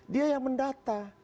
dia yang mendata